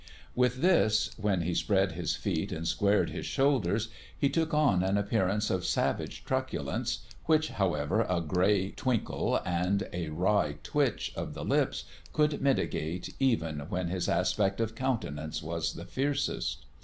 With this, when he spread his feet and squared his shoulders, he took on an appearance of savage truculence, which, however, a gray twinkle and a wry twitch of the lips could mitigate even when his aspect of countenance was the fiercest.